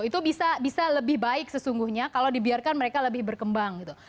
itu bisa lebih baik sesungguhnya kalau dibiarkan mereka lebih berkembang gitu